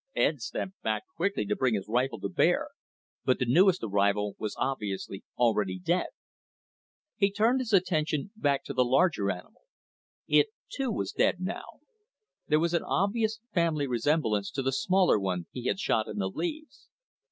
Ed stepped back quickly to bring his rifle to bear, but the newest arrival was obviously already dead. He turned his attention back to the larger animal. It, too, was dead now. There was an obvious family resemblance to the smaller one he had shot in the leaves.